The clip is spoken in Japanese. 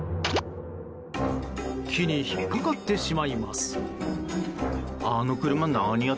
木に引っかかってしまいます。